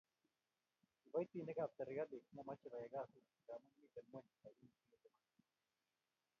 Kibaitinik ab serkali komamche koyai kasit ngamun miten ngwen rapinik che kelipani